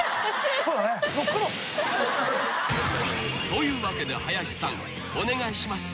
［というわけで林さんお願いします］